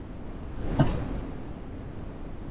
ნაგებობა ვითარდება აღმოსავლეთ-დასავლეთის ღერძზე.